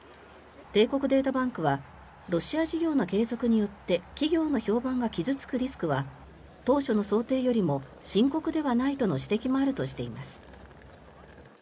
帝国データバンクはロシア事業の継続によって企業の評判が傷付くリスクは当初の想定よりも深刻ではないとの指摘もあるとしています。